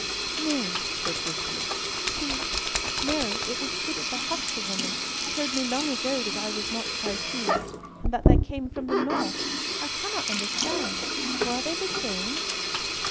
"Nay," said Cicely, "she—no, it was Tibbott the huckster woman told me long ago that I was not what I seemed, and that I came from the north—I cannot understand! Were they the same?"